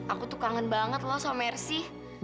aku tuh kangen banget loh sama mercy